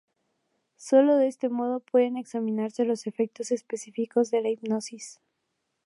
Solo de este modo pueden examinarse los efectos específicos de la hipnosis.